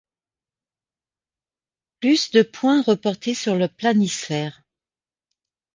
Plus de point reporté sur le planisphère.